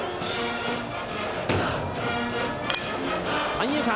三遊間！